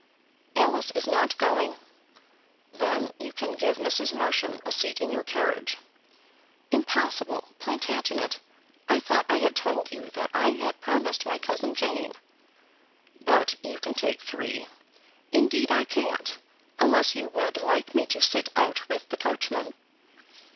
"Alice is not going." "Then you can give Mrs. Marsham a seat in your carriage?" "Impossible, Plantagenet. I thought I had told you that I had promised my cousin Jane." "But you can take three." "Indeed I can't, unless you would like me to sit out with the coachman."